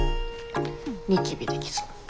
ニキビできそう。